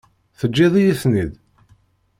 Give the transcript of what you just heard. Teǧǧiḍ-iyi-ten-id?